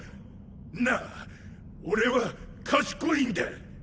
なあ俺は賢いんだ。